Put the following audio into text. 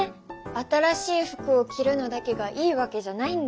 新しい服を着るのだけがいいわけじゃないんだね。